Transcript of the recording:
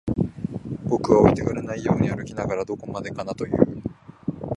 僕は置いてかれないように歩きながら、どこまでかなと言う